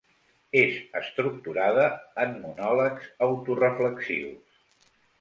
És estructurada en monòlegs autoreflexius.